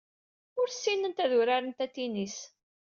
Ur ssinent ad urarent atennis.